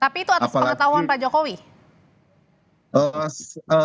tapi itu atas pengetahuan pak jokowi